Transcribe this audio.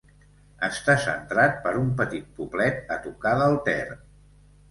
Està centrat per un petit poblet a tocar del Ter.